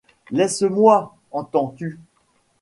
Laisse-moi, entends-tu !